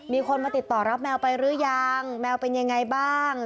มีคนมาติดต่อรับแมวไปหรือยังแมวเป็นยังไงบ้าง